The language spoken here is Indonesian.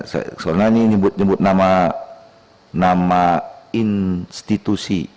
soalnya ini nyebut nyebut nama institusi